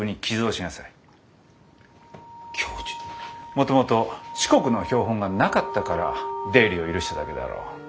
もともと四国の標本がなかったから出入りを許しただけだろう？